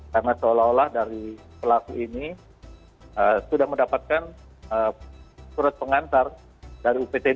karena seolah olah dari pelaku ini sudah mendapatkan surat pengantar dari uptd